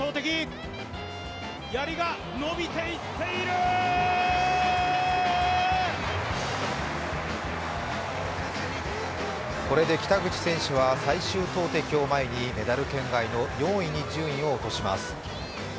更にこれで北口選手は最終投てきを前にメダル圏外の４位に順位を落とします。